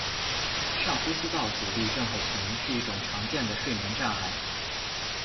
上呼吸道阻力症候群是一种常见的睡眠障碍。